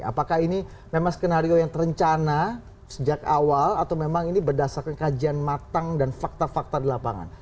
apakah ini memang skenario yang terencana sejak awal atau memang ini berdasarkan kajian matang dan fakta fakta di lapangan